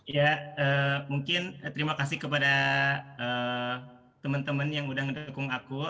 ya mungkin terima kasih kepada teman teman yang udah mendukung aku